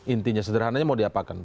intinya sederhananya mau diapakan